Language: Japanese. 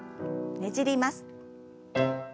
ねじります。